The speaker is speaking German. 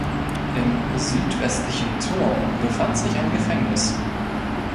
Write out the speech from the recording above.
Im südwestlichen Turm befand sich ein Gefängnis.